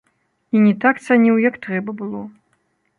І не так цаніў, як трэба было.